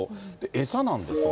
餌なんですが。